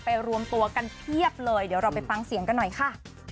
รวมตัวกันเพียบเลยเดี๋ยวเราไปฟังเสียงกันหน่อยค่ะ